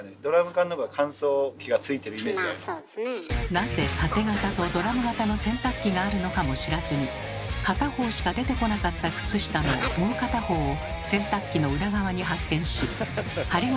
なぜタテ型とドラム型の洗濯機があるのかも知らずに片方しか出てこなかった靴下のもう片方を洗濯機の裏側に発見し針金